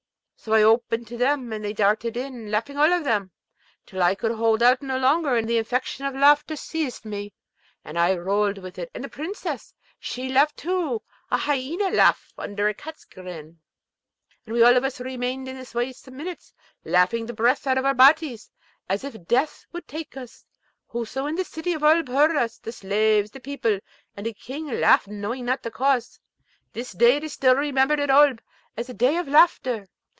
So I opened to them, and they darted in, laughing all of them, till I could hold out no longer, and the infection of laughter seized me, and I rolled with it; and the Princess, she too laughed a hyaena laugh under a cat's grin, and we all of us remained in this wise some minutes, laughing the breath out of our bodies, as if death would take us. Whoso in the City of Oolb heard us, the slaves, the people, and the King, laughed, knowing not the cause. This day is still remembered in Oolb as the day of laughter.